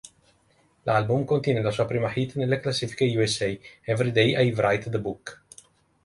L'album contiene la sua prima hit nelle classifiche Usa, "Everyday I Write The Book".